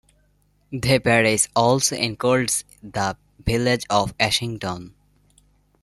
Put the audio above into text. The parish also includes the village of Ashington.